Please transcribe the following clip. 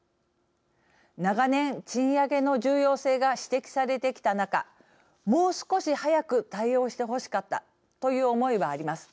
長年、賃上げの重要性が指摘されてきた中もう少し早く対応してほしかったという思いはあります。